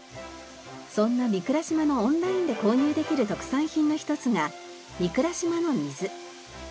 そんな御蔵島のオンラインで購入できる特産品の一つが御蔵島の水。